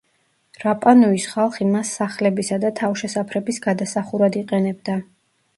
რაპანუის ხალხი მას სახლებისა და თავშესაფრების გადასახურად იყენებდა.